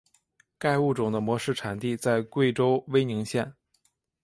该物种的模式产地在贵州威宁县。